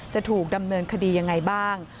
จะถูกดำเนินคดียังไงบ้าง